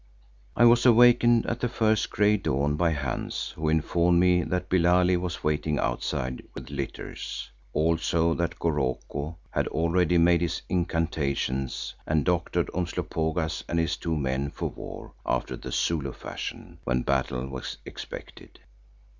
I was awakened at the first grey dawn by Hans, who informed me that Billali was waiting outside with litters, also that Goroko had already made his incantations and doctored Umslopogaas and his two men for war after the Zulu fashion when battle was expected.